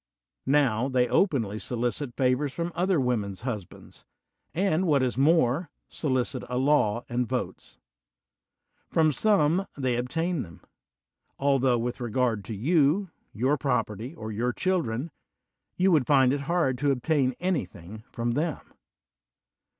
Now they openly solicit favors from other wom en's husbands; and, what is more, solicit a law and votes. From some they obtain them; 21 THE WORLD'S FAMOUS ORATIONS altho, with regard to you, your property, oi your children, you would find it hard to obtaii anything from them.